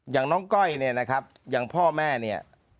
อย่างน้องก้อยเนี่ยนะครับอย่างพ่อแม่เนี่ย